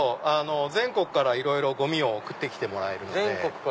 全国からいろいろゴミを送って来てもらえるので。